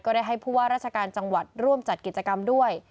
ได้ให้ผู้ว่าราชการจังหวัดร่วมจัดกิจกรรมด้วย